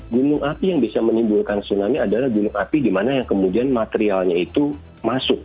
gunung api yang bisa menimbulkan tsunami adalah gunung api dimana yang kemudian materialnya itu masuk